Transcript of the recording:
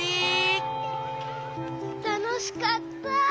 たのしかった！